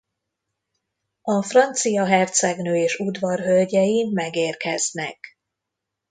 A francia hercegnő és udvarhölgyei megérkeznek.